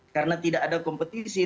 karena tidak ada kompetisi